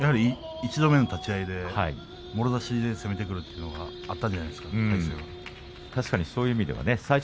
一度目の立ち合いでもろ差しで攻めてくるということを感じたんじゃないでしょうか。